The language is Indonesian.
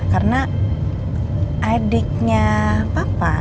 karena adiknya papa